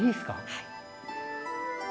はい。